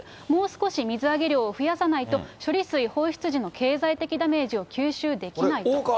もう少し水揚げ量を増やさないと、処理水放出時の経済的ダメージを吸収できないと。